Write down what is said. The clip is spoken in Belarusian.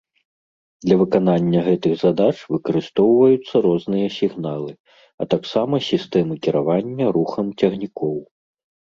Для выканання гэтых задач выкарыстоўваюцца розныя сігналы, а таксама сістэмы кіравання рухам цягнікоў.